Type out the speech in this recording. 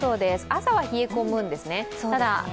朝は冷え込むんですね。